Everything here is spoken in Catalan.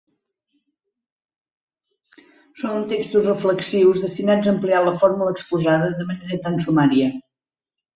Són textos reflexius destinats a ampliar la fórmula exposada de manera tan sumària.